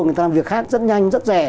người ta làm việc khác rất nhanh rất rẻ